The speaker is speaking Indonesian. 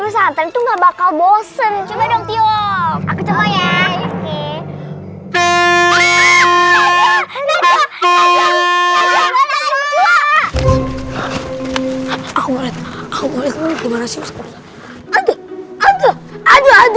santan itu nggak bakal bosen juga dong aku cuma ya aku mau lihat aku mau lihat aduh aduh aduh aduh